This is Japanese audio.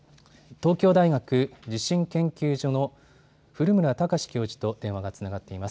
東京大学地震研究所の古村孝志教授と電話がつながっています。